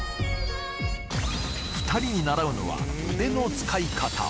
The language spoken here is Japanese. ２人に習うのは腕の使い方